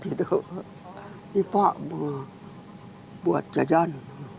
ini pak buat jajan